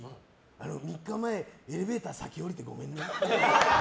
あの、３日前エレベーター、先降りてごめんね。